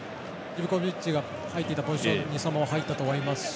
ジブコビッチが入っていたポジションにそのまま入ったと思いますし